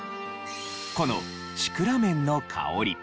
この『シクラメンのかほり』